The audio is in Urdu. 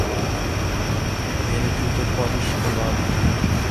میرے جوتے پالش کروا دیجئے